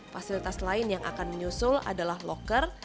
fasilitas lain yang akan menyusul adalah locker